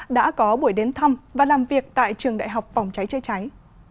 đã có buổi đến thăm và làm việc tại trường đại học phòng cháy chữa cháy